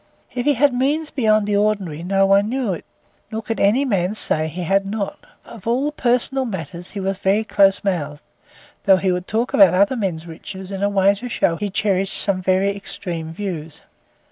If he had means beyond the ordinary no one knew it, nor could any man say that he had not. On all personal matters he was very close mouthed, though he would talk about other men's riches in a way to show that he cherished some very extreme views.